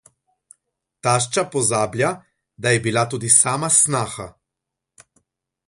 Tašča pozablja, da je bila tudi sama snaha.